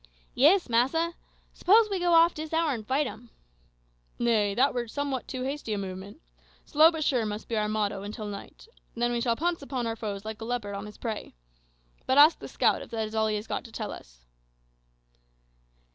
"Yis, massa. S'pose we go off dis hour and fight 'em?" "Nay; that were somewhat too hasty a movement. `Slow but sure' must be our motto until night. Then we shall pounce upon our foes like a leopard on his prey. But ask the scout if that is all he has got to tell us."